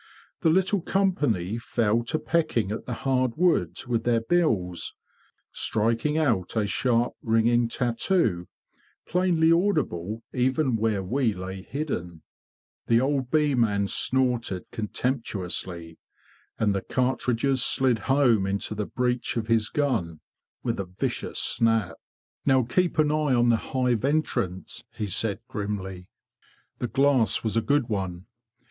The little company fell to pecking at the hard wood with their bills, striking out a sharp ringing tattoo plainly audible even where we lay hidden. The old bee man snorted contemptuously, and the cart ridges slid home into the breech of his gun with a vicious snap. 20 THE BEE MASTER OF WARRILOW '"'Now keep an eye on the hive entrance,'' he said grimly. The glass was a good one.